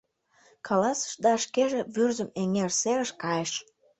Каласыш да шкеже Вӱрзым эҥер серыш кайыш.